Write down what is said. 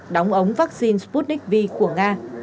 đóng ống vaccine sputnik v của nga